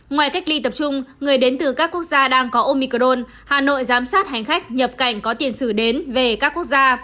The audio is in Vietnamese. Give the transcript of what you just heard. ngoài cách ly tập trung người đến từ các quốc gia đang có omicrone hà nội giám sát hành khách nhập cảnh có tiền sử đến về các quốc gia